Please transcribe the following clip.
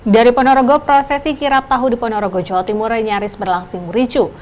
dari ponorogo prosesi kirap tahu di ponorogo jawa timur nyaris berlangsung ricu